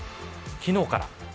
昨日から。